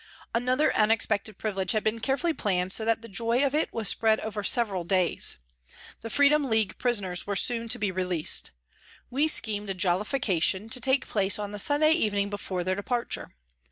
Another unexpected privilege had been carefully planned so that the joy of it was spread over several days. The Freedom League prisoners were soon to be released. We schemed a jollification to take place on the Sunday evening before their departure.